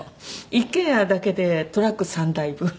一軒家だけでトラック３台分。